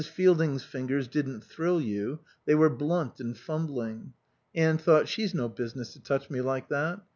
Fielding's fingers didn't thrill you, they were blunt and fumbling. Anne thought: "She's no business to touch me like that.